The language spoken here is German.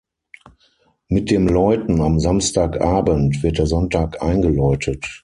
Mit dem Läuten am Samstagabend wird der Sonntag eingeläutet.